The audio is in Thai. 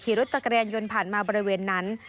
ขี่รถจักรยานยนต์ผ่านมาบริเวณนั้น